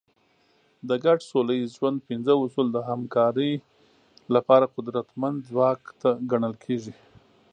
د ګډ سوله ییز ژوند پنځه اصول د همکارۍ لپاره قدرتمند ځواک ګڼل کېږي.